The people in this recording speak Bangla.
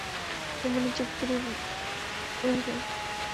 হরিমোহিনী চুপ করিয়া রহিলেন।